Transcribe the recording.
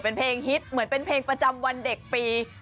เป็นเพลงฮิตเหมือนเป็นเพลงประจำวันเด็กปี